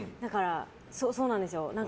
そうなんですよ。